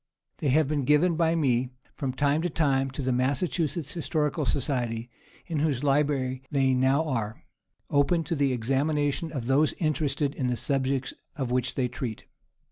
These have been given by me from time to time to the Massachusetts Historical Society, in whose library they now are, open to the examination of those interested in the subjects of which they treat.